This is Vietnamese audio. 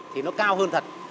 thì nó cao hơn thật